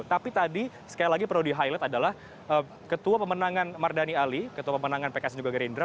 tapi tadi sekali lagi perlu di highlight adalah ketua pemenangan mardani ali ketua pemenangan pks dan juga gerindra